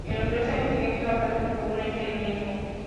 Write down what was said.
En los tres años siguientes, la pareja tuvo una hija y un hijo.